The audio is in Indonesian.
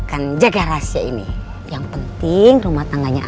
saya lihat ini jatuh disini